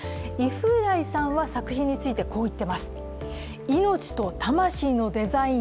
猪風来さんは作品についてこう言っています。